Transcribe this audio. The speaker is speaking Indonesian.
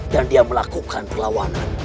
dan dia melakukan perlawanan